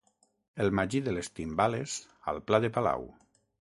El Magí de les Timbales al Pla de Palau.